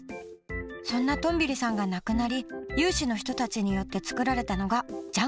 そんなトンビリさんが亡くなり有志の人たちによって作られたのがジャン！